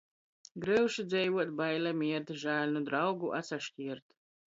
Gryuši dzeivuot, baile miert, žāļ nu draugu atsaškiert.